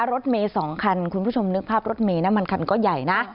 รถเมย์๒คันคุณผู้ชมนึกภาพรถเมย์นะมันคันก็ใหญ่นะ